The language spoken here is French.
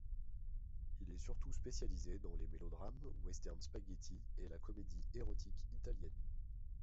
Il est surtout spécialisé dans les mélodrames, western spaghetti et la Comédie érotique italienne.